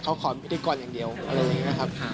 เขาขอพิธีกรอย่างเดียวอะไรอย่างนี้ครับ